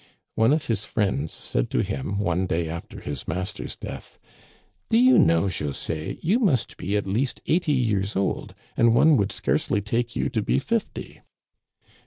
One of his friends said to him one day after his master's death :" Do you know, José, you must be at least eighty years old, and one would scarcely take you to be fifty."